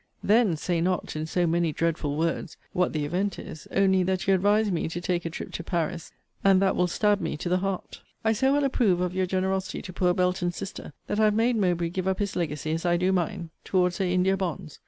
] THEN say not, in so many dreadful words, what the event is Only, that you advise me to take a trip to Paris And that will stab me to the heart. I so well approve of your generosity to poor Belton's sister, that I have made Mowbray give up his legacy, as I do mine, towards her India bonds.